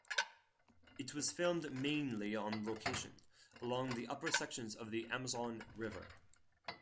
It was filmed mainly on location, along the upper sections of the Amazon River.